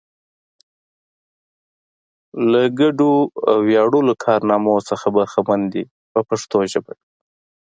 له ګډو ویاړلو کارنامو څخه برخمن دي په پښتو ژبه.